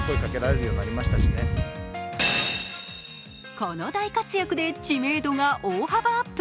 この大活躍で知名度が大幅アップ。